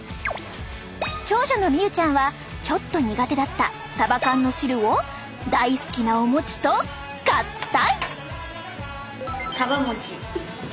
長女のみゆちゃんはちょっと苦手だったサバ缶の汁を大好きなお餅と合体！